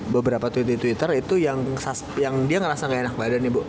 beberapa tweet di twitter itu yang dia ngerasa gak enak badan nih bu